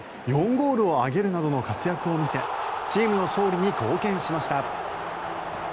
ゴールを挙げるなどの活躍を見せチームの勝利に貢献しました。